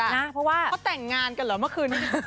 นะเพราะว่าเขาแต่งงานกันเหรอเมื่อคืนนี้